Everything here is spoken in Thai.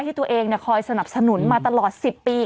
ที่ตัวเองคอยสนับสนุนมาตลอด๑๐ปี